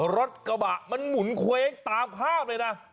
รถกระบะมันหมุนเคว้งตามภาพเลยนะ